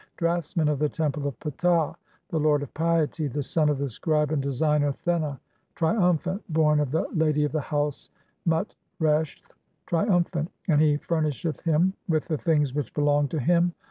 draughtsman of the Temple of Ptah, the lord of piety, the son of the scribe and designer Thena, triumphant, born of the lady of the house Mut resth, triumphant, (3) and he furnisheth him with the things which belong to him.